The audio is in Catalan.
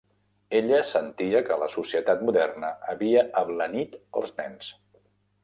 Ella sentia que la societat moderna havia "ablanit" als nens.